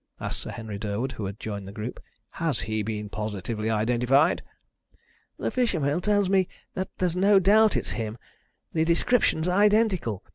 asked Sir Henry Durwood, who had joined the group. "Has he been positively identified?" "The fisherman tells me that there's no doubt it's him the description's identical.